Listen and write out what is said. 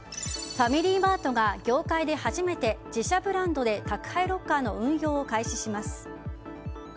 ファミリーマートが業界で初めて自社ブランドで宅配ロッカーの運用を開始します。